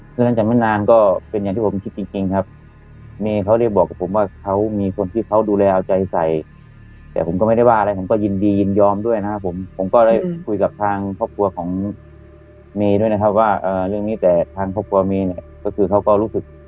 หลังจากนั้นจะไม่นานก็เป็นอย่างที่ผมคิดจริงครับเมย์เขาเรียกบอกกับผมว่าเขามีคนที่เขาดูแลเอาใจใส่แต่ผมก็ไม่ได้ว่าอะไรผมก็ยินดียินยอมด้วยนะครับผมผมก็ได้คุยกับทางครอบครัวของเมย์ด้วยนะครับว่าเรื่องนี้แต่ทางครอบครัวเมย์เนี่ยก็คือเขาก็รู้สึก